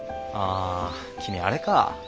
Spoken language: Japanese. あ君あれか。